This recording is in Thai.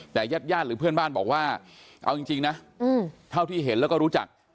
แต่ญาติญาติหรือเพื่อนบ้านบอกว่าเอาจริงนะเท่าที่เห็นแล้วก็รู้จัก